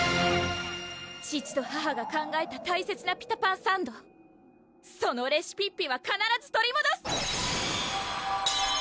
父と母が考えた大切なピタパンサンドそのレシピッピはかならず取りもどす！